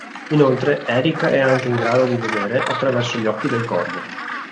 Inoltre, Eric è anche in grado di vedere attraverso gli occhi del Corvo.